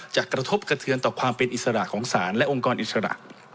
กระทบกระเทือนต่อความเป็นอิสระของศาลและองค์กรอิสระ